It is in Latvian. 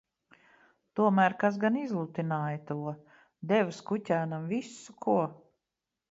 Tomēr kas gan izlutināja to, deva skuķēnam visu ko?